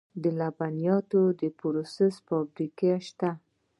د لبنیاتو د پروسس فابریکې شته